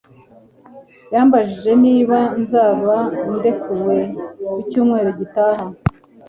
Yambajije niba nzaba ndekuwe ku cyumweru gitaha